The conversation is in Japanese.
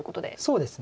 そうですね。